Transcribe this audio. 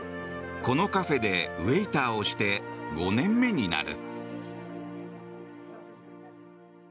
このカフェでウェーターをして５年目になる。